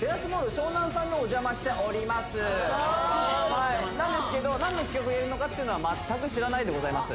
湘南さんにお邪魔しておりますなんですけど何の企画をやるのかっていうのは全く知らないでございます